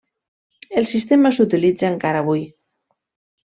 El sistema s'utilitza encara avui.